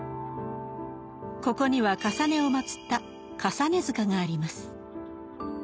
ここにはかさねを祀った「累塚」があります。